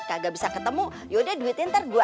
kagak bisa ketemu yaudah duitnya ntar gue